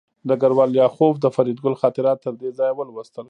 ډګروال لیاخوف د فریدګل خاطرات تر دې ځایه ولوستل